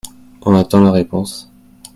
On attend la réponse.